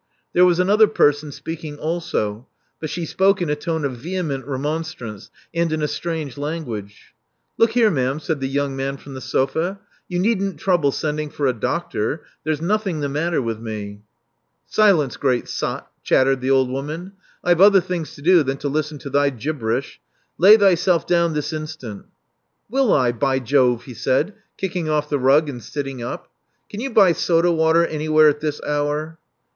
There was another person speaking also; but she spoke in a tone of veheQient remonstrance, and in a strange language. Look here, ma'am," said the young man from the sofa. *'You needn't trouble sending for a doctor. There's nothing the matter with me." Silence, great sot," chattered the old woman. I have other things to do than to listen to thy gib berish. Lay thyself down this instant." Will I, by Jove!" he said, kicking off the rug and sitting up. Can you buy soda water anywhere at this hour?"